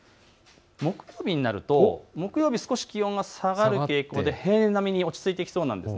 木曜日になると少し気温が下がって平年並みに落ち着いてきそうです。